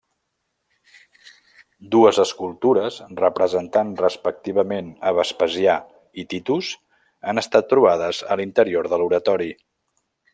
Dues escultures representant respectivament a Vespasià i Titus, han estat trobades a l'interior de l'oratori.